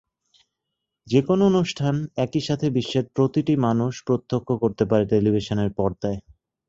যেকোনো অনুষ্ঠান একই সাথে বিশ্বের প্রতিটি মানুষ প্রত্যক্ষ করতে পারে টেলিভিশনের পর্দায়।